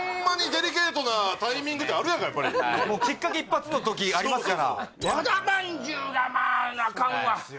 デリケートなタイミングってあるやんかやっぱりきっかけ一発の時ありますからそうそうそう和田まんじゅうがまあアカンわ